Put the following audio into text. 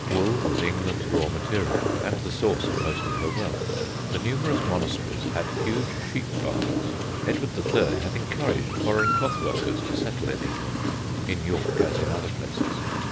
Wool was England's raw material and the source of most of her wealth. The numerous monasteries had huge sheep farms. Edward III. had encouraged foreign clothworkers to settle in England (in York, as in other places).